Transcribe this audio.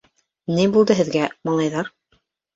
— Ни булды һеҙгә, малайҙар?..